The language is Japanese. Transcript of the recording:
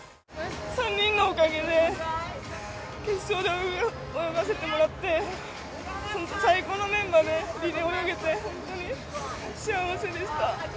３人のおかげで決勝で泳がせてもらって最高のメンバーでリレーを泳げて本当に幸せでした。